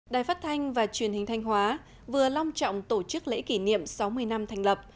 đài phát thanh và truyền hình thanh hóa vừa long trọng tổ chức lễ kỷ niệm sáu mươi năm thành lập